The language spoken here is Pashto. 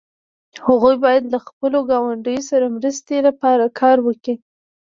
هغوی باید له خپلو ګاونډیو سره مرستې لپاره کار وکړي.